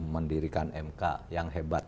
mendirikan mk yang hebat